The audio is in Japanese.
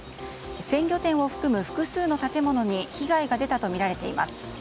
鮮魚店を含む複数の建物に被害が出たとみられています。